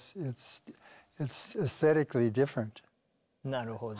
なるほど。